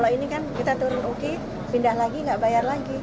ini kan kita turun ke uki pindah lagi nggak bayar lagi